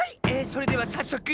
それではさっそく。